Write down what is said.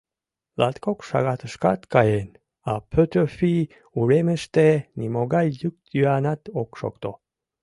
Латкок шагатышкат каен, а Пӧтӧфи уремыште нимогай йӱк-йӱанат ок шокто.